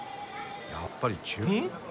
やっぱり中古品？